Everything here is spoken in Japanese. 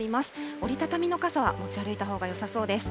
折り畳みの傘、持ち歩いたほうがよさそうです。